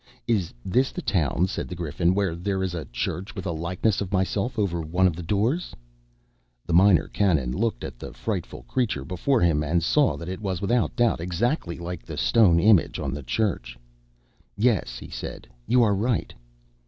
"Is this the town," said the Griffin, "where there is a church with a likeness of myself over one of the doors?" The Minor Canon looked at the frightful creature before him and saw that it was, without doubt, exactly like the stone image on the church. "Yes," he said, "you are right."